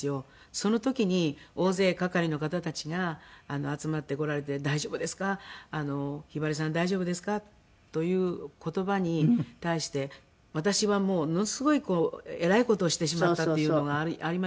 その時に大勢係の方たちが集まってこられて「大丈夫ですか？」「ひばりさん大丈夫ですか？」という言葉に対して私はものすごいえらい事をしてしまったっていうのがありました。